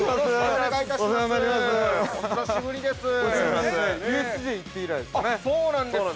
◆お久しぶりです。